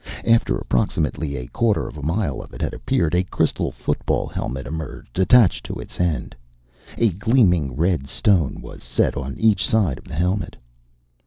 After approximately a quarter mile of it had appeared, a crystal football helmet emerged attached to its end. A gleaming red green stone was set on each side of the helmet.